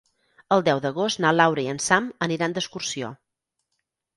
El deu d'agost na Laura i en Sam aniran d'excursió.